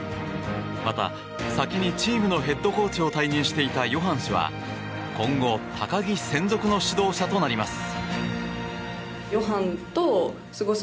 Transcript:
また、先にチームのヘッドコーチを退任していたヨハン氏は今後、高木専属の指導者となります。